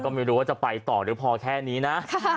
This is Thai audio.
ก็ไม่รู้ว่าจะไปต่อหรือพอแค่นี้นะ